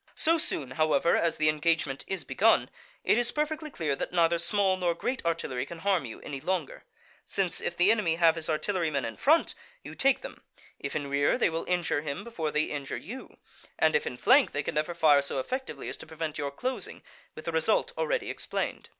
So soon, however, as the engagement is begun, it is perfectly clear that neither small nor great artillery can harm you any longer; since, if the enemy have his artillerymen in front, you take them; if in rear, they will injure him before they injure you; and if in flank, they can never fire so effectively as to prevent your closing, with the result already explained.